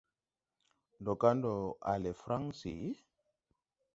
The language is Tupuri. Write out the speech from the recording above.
Ndɔ ga ndɔ a le Fransi?